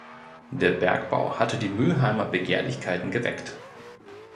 Der Bergbau hatte die Mülheimer Begehrlichkeiten geweckt.